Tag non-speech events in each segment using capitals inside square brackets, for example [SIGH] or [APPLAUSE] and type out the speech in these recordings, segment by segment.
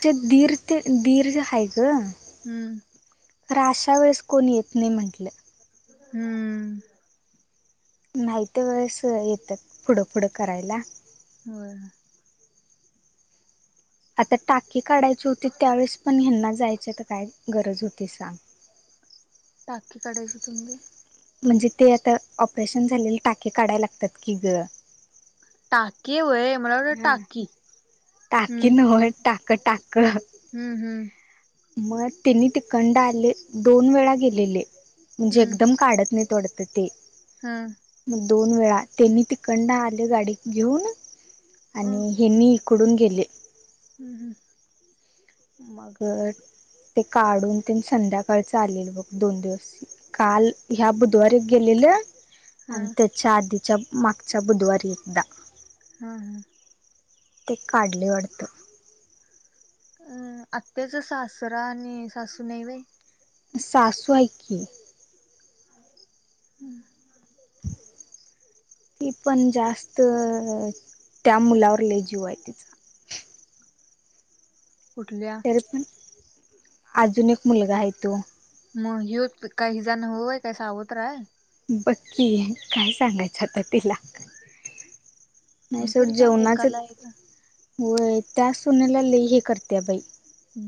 ते दीर ते दीरज हाय ग हम्म. खर अशा वेळेस कोण येत नई म्हटलं हम्म. नाही त्या वेळेस अ येत्यात, पुढं पुुढं करायला. वय आता टाके काढायची होतीत त्यावेळेस पण ह्यांना जायची आता काय गरज होती सांग टाकी काढायची होती [UNINTELLIGIBLE] म्हणजे ते आता ऑपरेशन झालेल टाके काढाय लागत्यात की ग टाके वय, मला वाटल हा टाकी टाकी हम्म नव्ह टाक टाक हम्म हम्म. मग तेनी तिकंड आले दोन वेळा गेलेले म्हणजे हम्म एकदम काढत नई वाडत ते हा. म दोन वेळा त्यांनी तिकंड आले गाडी घेऊन आणि हेनी कडून गेले. हम् हम्. मग ते काढून तेन संध्याकाळच आलेल बघ दोन दिवस काल ह्या बुधवारी एक गेलेलं हा आणि त्याच्या आधीच्या मागच्या बुधवारी एकदा हा ह. ते काढले वाडतं अ आत्याचा सासरा आणि सासू नई वय? सासू हाय की [UNINTELLIGIBLE] ती पण जास्त त्या मुलावर जीव आय तिचा कुठल्या? तरी पण, अजून एक मुलगा हाय तो मग ह्यो काय हिजा न्हव होय, काय सावत्राय? बक्कि काय सांगायचं आता तिला नाही सोड नाहीतरी काय जेवणाच, एकाला एक वय त्या सुनेला लई हे करत्या बई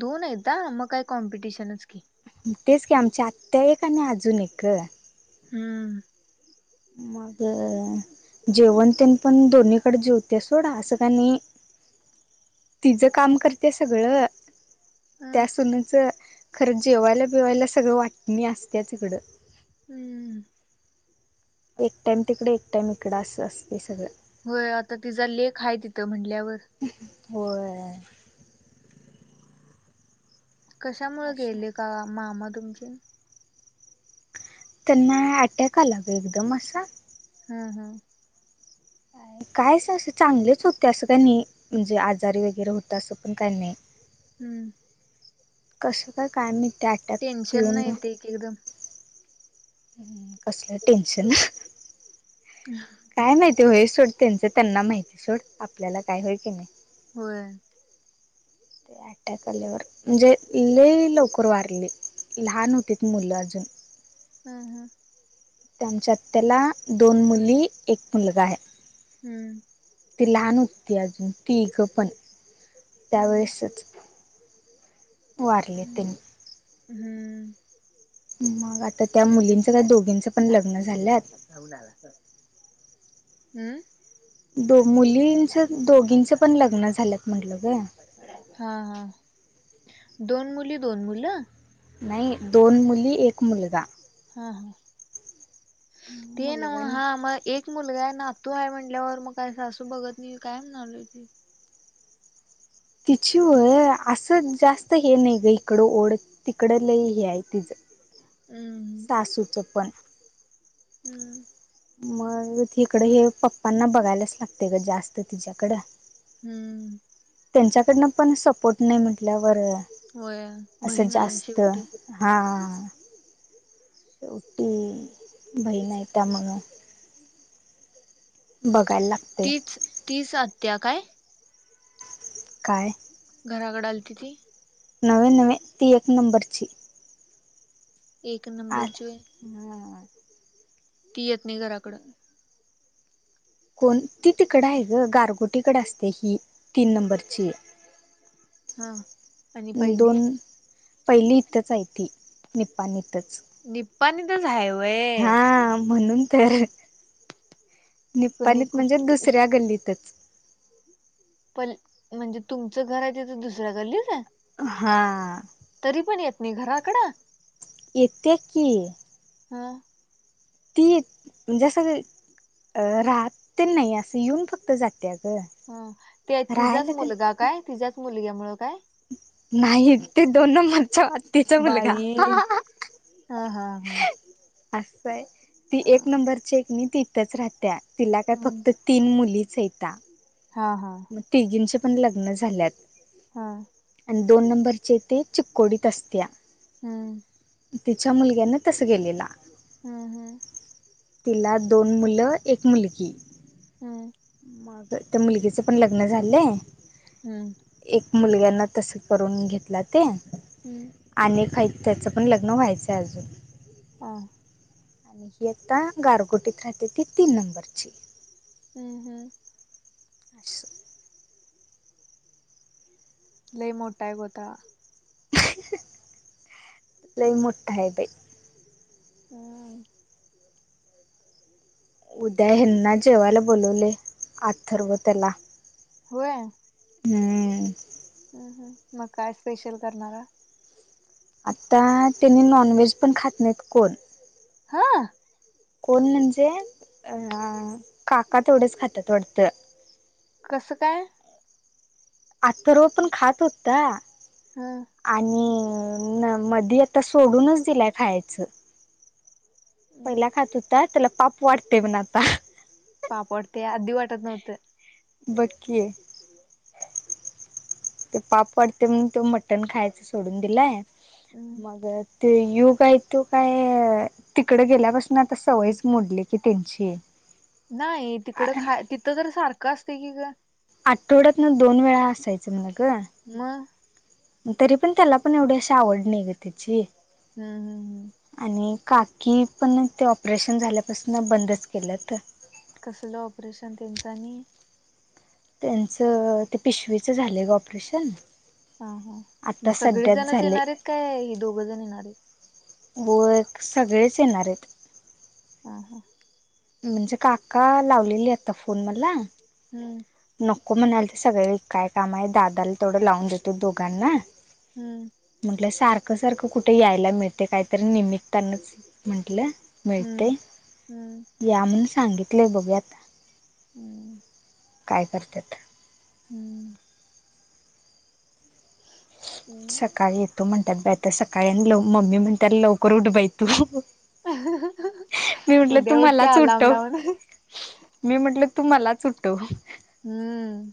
दोन आयता मग काय कॉम्पिटिशनच की हू तेच की आमच्या आत्त्या एक आणि अजून एक ग हम्म. मग जेवण तेन पण दोन्हीकड जेवत्या सोड असं काणी तिज काम करत्या सगळं अ त्या सूनच खरं जेवायला बिवायला सगळ वाटणी असत्याच इकडं हम्म. एक टाइम तिकड, एक टाइम इकड अस असतय सगळं होय आता तिजा लेक हाय तिथं म्हणल्यावर उहू होय. कशामुळे अशा गेले का मामा तुमचे? त्यांना ॲटॅक आला ग एकदम असा हम् हम. कायच असं चांगलेच होते असं का नाही. म्हणजे आजारी वगैरे होत असं पण काही नाही. हम्म. कसं काय काय मी त्या टेन्शन नाही येते एक एकदम कसलं टेशन? हम्. काय माहिती होई सोड त्यांचं त्यांना माहिती सोड आपल्याला काय होय की नाही. होय. त्या अट्याक आल्यावर म्हणजे लेई लवकर वारली लहान होती त मुलं अजून हम हम. त्यांच्यात त्याला दोन मुली एक मुलगा आहे. हम्म. ती लहान उठती अजून ती इगं पण हम्म. त्यावेेळेसच वारले तनी हम्म. मग आता त्या मुलींच का दोघींच पण लग्न झालंत. होनला हम्. द मुलींच दोघींच पण लग्न झालंत म्हटलं ग. हा हा दोन मुली दोन मुलं. नाही दोन मुली एक मुलगा हा ह ते नाव मुलगा हा नाही आम एक मुलगा आहे नातू आहे म्हटल्यावर मग काय सासू बघत नाही काय म्हणालो हो. तिचीवर असं जास्त हे नाही ग इकडं ओढ. तिकड ल हे आहे तिचं. हम्. तासूचं पण हम्म. मग तकडं हे पप्पांना बघायलाच लागते ग जास्त तिच्याकडं हम्म. त्यांच्याकडनं पण सपोर्ट नाही म्हटल्यावरर होय बहीण आहे शेवटी हा. उटी बहीण य त्या म्हणून बघायला. लागते तीच तीच हत्या काय? काय? घराकडे आलती ती नवे नवे ती एक नंबरची एक आल नंबर च. हा. ती येत नाही घराकडं. कोण ती तिकड आहे ग गारगोटीकडे असते ही तीन नंबरची हा. आणि पहिली दोन पहिली इथंच आहे ती निपाणी इथंच. निप्पानी तरचय वय हा म्हणून तरर कोणी निप्पाणीत म्हणजे कुठ दुसऱ्या गल्लीतच पण म्हणजे तुमचं घर आहे ते तर दुसऱ्या गल्लीच आहे. हा तरी पण येत नाही घराकड इथ्या की हा ती म्हणजे असं राहत ते नाही असं येऊन फक्त जाते ग. ह ते तिचाच राहायला तेन मुलगा काय तिच्याच मुलग्या मुळ काय नाही ते दोन माच्या मातचा मुलगा. बाई हा हा हा असंय ती एक अं, नंबरची एक मी ती इथंच राहत्या तिला काय हम्म फक्त तीन मुलीचहता. हा हा मग तिघींचे पण लग्न झाल्यात. हा आणि दोन नंबरचे ते चिककोडीत असत्या. हम्म तिच्या मुलग्यानी तस गेलेला. हम्म हम्म तिला दोन मुलं एक मुलगी. हम्म मग त्या मुलगीचं पण लग्न झालंय. हम्म एक मुलग्याना तस करून घेतला ते हम्म अ काही त्याचं पण लग्न व्हायचंय अजून हां आणि ही आता गारगोटीत राहते ती तीन नंबरची. हम्म हम्म असस लई मोठाय होता. लई मठता बा हा उद्या हेना जेवायला बोलवले आथरव त्याला हय हम्म ह मग काय स्पेशल करणारा आता त्यां नॉनव्हेज पण खात नाहीत कोण हा कोण म्हणजे अ काका तेवढंच खात थोडतं. कसं काय आत्ता रो पण खात होतता. हम आणि न मधी आता सोडूनच दिलाय खायचं. आ त्याला पाप वाटते पण आता पापड ते अधदी वाटत नव्हतं. बकि ते पापड ते त मटण खायच सोडून दिलाय. हम्म मगर ते यो काय तो काय तिकडं गेल्यापासून आता सवयच मोडली की त्यांची नाही तिकडं खा तिथं तर सारखं असते की ग. आठवड्यात ना दोन वेळा असायचं मला मग ग तरी पण त्याला पण एवढी अशी आवड नाही ग त्याची. हम् हम् हम्. आणि काकी पण ते ऑपरेशन झाल्यापासन बंदच केलं त. कसलं ऑपरेशन त्यांचं आणि? त्यांचं ते पिशवीचं झालं ग ऑपरेशन. हा हा मग आता सध्याच सगळीजणच झाले येणारेत का, हे दोघ जण येणारेत? व्हय सगळेच येणारेत. हां हं. म्हणजे काका लावलेली आता फोन मला? हम्म. नको म्हणाल तर सगळे काय काम आहे, दादाला तेवढं लावून देतो दोघांना. हम्म. म्हटलं सारखं सारखं कुठे यायला मिळते, कायतरी निमित्तानच म्हंटलं. मिळतय हम्म हम्म या म्हणून सांगितलय बघूया आता. हम. काय करत्यात? हम्म. हम्. सकाळी येतो म्हणत्यात बाई आता सकाळी आणि ल मम्मी म्हणत्यात लवकर उठ बाई तू. मी म्हटल, तू उद्या उठ की मलाच अलार्म उठव. लावून मी म्हटलं तू मला च उठव. हम्म.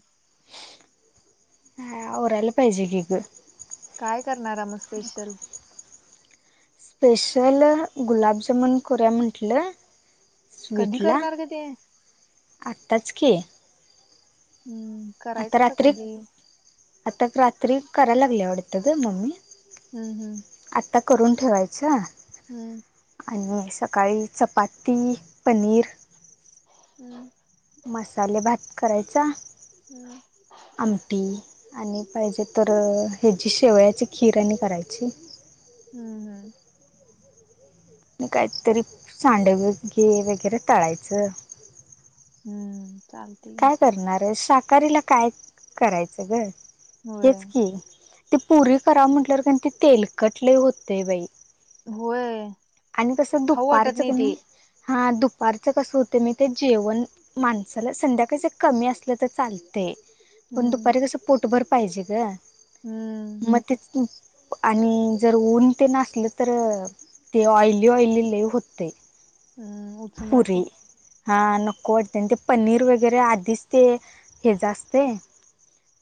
ह आवरायला पाहिजे कि ग. काय करणार ना मग स्पेशल? स्पेशल गुलाबजामुन करूया म्हटलं. कधी स्वीटला, करणार ग ते आत्ताच कि? हम्म. आता करायचं असं रात्री, कधी आता रात्री कराया लागली वाटतं ग मम्मी. हम् हम्म. आत्ता करून ठेवायचं? हम्म. आणि सकाळी चपाती, पनीर. हम्म. मसाले भात करायचा, हम्म आमटी. आणि पाहिजे तर, ह्याची शेवयाची खीर आणि करायची. हम्म. हम्म आणि काहीतरी सांडगे वगैरे तळायचं. हम्म चाल काय करणार य? शाकाहारीला काय करायचं ग? होय हेच की. ती पुरी कराव म्हटल्यावर का ते तेलकट लई होते बाई. व्हय. आणि कसं दुपारचं क नाइ, हा दुपारचं कसं होत माहिते जेवण माणसाला, संध्याकाळच कमी असलं तर चालतय पण हम्म दुपारी कसं पोटभर पाहिजे गं. हम्म. मग तेच आणि जर ऊन ते न असलं तर ते ऑइली ओइली लइ होतय. हम. पुरी. हा नको वाटतय आणि ते पनीर वगैरे आधीच ते हे जास्तय.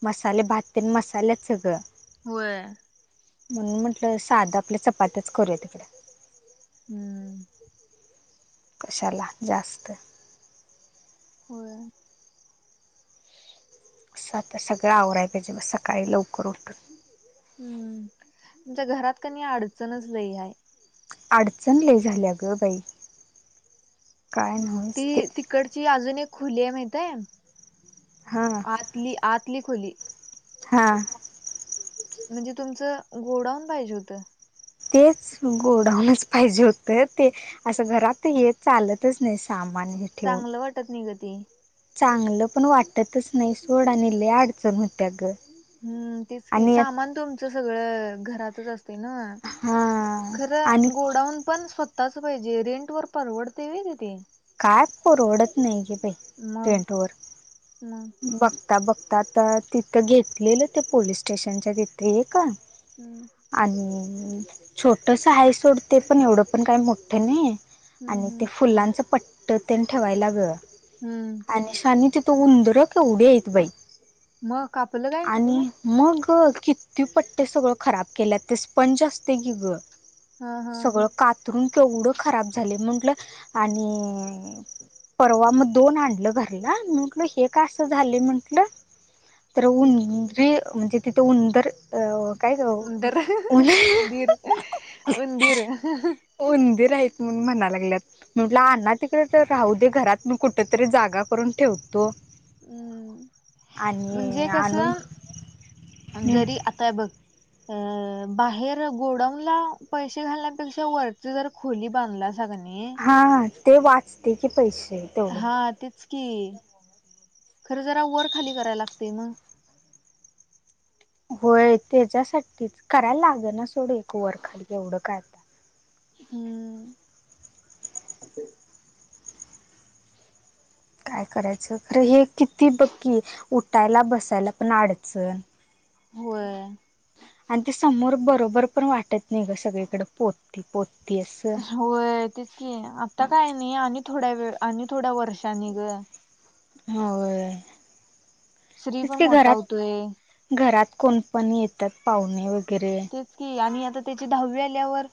मसाले भात तीन मसाल्यात सगळं. होय. म्हणून म्हटलं साध आपल्या, चपात्याच करूया तिकड. हूं! कशाला जास्त. होय! असं आता सगळं आवरायच, जेव्हा सकाळी लवकर उठून. हूं तुमच्या घरात कनी अडचणच लय आहे. अडचण लई झाल्या ग बई काय नव ती तिकडची अजून एक खुली आहे, माहित आहे हा आज ली आतली खोली हा! म्हणजे तुमचं गोडाऊन पाहिजे होतं. तेच गोडाऊनच पाहिजे होतं ते असं घरात त हे चालतच नाही सामान हे. ठेवून चांगलं वाटत नाही ग ती. चांगलं पण वाटतच नाही सोड आणि लयी अडचण होत्या ग. हूं तेच कि आणि सामान तुमचं सगळं घरातच असतय ना. हा आणि खरं गोडाऊन पण स्वतच पाहिजे रेंट वर परवडत व्हयं तिथे. काय पररवडत नाही गे बाई रेंट वर. ह [UNINTELLIGIBLE] बघता, बघता, आता तिथं घेतलेलं, ते पोलीस स्टेशनच्या तिथे ये का. हम्म [INAUDIBLE] आणि छोटस आहे सोडते, पण एवढं पण काही मोठं नहीय. हम्म आणि ते हम्म फुलांचं पट्ट तेन ठेवायला ग. हूं! आणी शानी तिथं उंदर केवढे हेत बई मग कापलं काय आणि म ग कित्ते पट्टे सगळं खराब केल्यात, ते स्पंज असते गी ग. हा हा सगळं कातरून केवढं खराब झाले, म्हंटलं आणि परवा मग दोन आणलं घरला म्हटलं हेक कास झाले म्हंटलं तर हम्म उंदरी म्हणजे तिथं उंदर अ काय ग उंदर हं हं उन उंदिर, उंदीर हा हा. उंदीर आहेत म्हणून म्हणा लागल्यात. म्हटलं आणा तिकडेच त राहू दे घरात मी कुठ तरी जागा करून ठेवतो. हूं म्हणजे आणि आणून कसं हा जरी आता बघ अ बाहेर गोडाउनला पैसे घालण्यापेक्षा वरची जरा खोली बांधला असा कणी. हा ते वाचते की पैसे तेवढं. हा तेच कि खरं जरा वर खाली करायला लागतय म होय त्याच्यासाठीच कराया लाग ना सोड एक वरखाली एवढं काय. हूं! काय करायचं खरं हे किती बक्की उठायला बसायला पण अडचण. होय! आणि ते समोर बरोबर पण वाटत नाही ग सगळीकडे पोती पोती असं. होय तेच की आता काय नाही, आणि थोड्या वेळ आणि थोड्या वर्षा निग. होय श्री पण तीचकी मोठा घरात होतोय घरात कोणपण येतात पाहुणे वगैरे. तेच की आणि आता त्याची दहावी आल्यावर,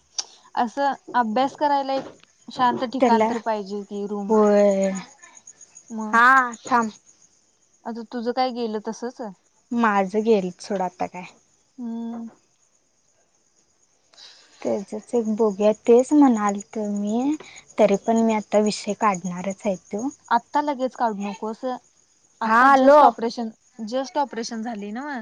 असं अभ्यास करायला एक शांत ठिकाण त्याला तर पाहिजे कि रूम होय म. हा थांब आता तुझं काय गेलं तसच अ. माझं गेलं सोडं आता काय. हम्म. ह. ते बोगे तेच म्हणाल त मी तरी पण मी आता विषय काढणारच आहेत. आत्ता लगेच काढू नको असं हा आत्ता hello just operation just operation झाली नव.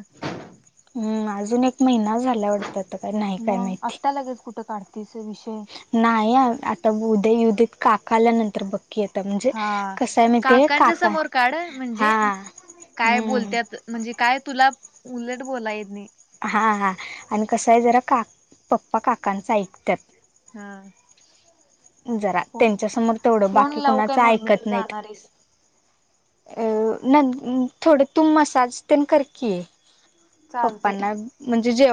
हम् अजून एक महिना झाल्या वाडत काय नाही काय माहिती. त्या लगेच कुठं काढ तिचे विषय नाही आता उद्या युधत काका आल्यानंतर बघ. हा काकांच्या काका समोर काढ म्हणजे हा काय हम्म बोलतत म्हणजे काय तुला उलट बोलायेत नाही. हां हां आणि कसं आहे जरा काक पप्पा काकांच ऐकतात. हा. जरा त्यांच्यासमोर तेवढं फोन बाकी लावू काय कुणाच ऐकत मम्मीकडे नाहीत. जाणारीस न थोडं तूम मसाज ते करकी आहे. चालतय प्पांना म्हणजे जे